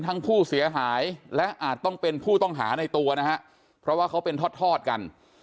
ทั้งผู้เสียหายและอาจต้องเป็นผู้ต้องหาในตัวนะฮะเพราะว่าเขาเป็นทอดทอดกัน